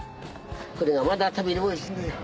これがまた食べるとおいしいんだよ。